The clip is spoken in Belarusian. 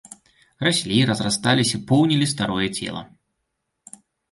Раслі, разрасталіся, поўнілі старое цела.